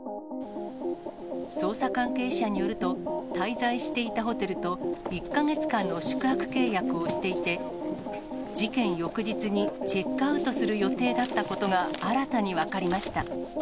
捜査関係者によると、滞在していたホテルと１か月間の宿泊契約をしていて、事件翌日にチェックアウトする予定だったことが新たに分かりました。